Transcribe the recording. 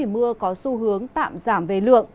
mưa có xu hướng tạm giảm về lượng